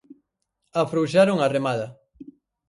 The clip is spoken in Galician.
Afrouxaron a remada.